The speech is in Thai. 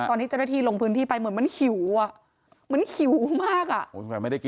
ตอนที่เจ้าหน้าที่ลงพื้นที่ไปเหมือนมันหิวอ่ะเหมือนหิวมากอ่ะ